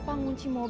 dan mempelih time